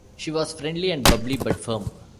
She was friendly and bubbly, but firm.